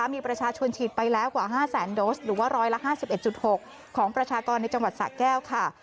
มีประชาชนฉีดไปแล้วกว่า๕แสนโดสหรือว่า๑๕๑๖ของประชากรในจังหวัดสะแก้วค่ะ